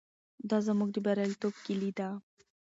دا زموږ د بریالیتوب کیلي ده.